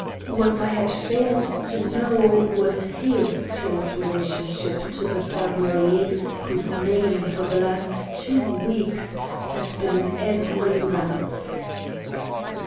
What I had failed to know was his close relationship to the family whose name for the last two weeks had been in every mouth.